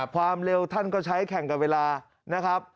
ความเร็วท่านก็ใช้แข่งกับเวลานะครับ